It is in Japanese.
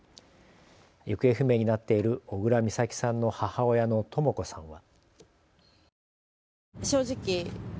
行方不明になっている小倉美咲さんの母親のとも子さんは。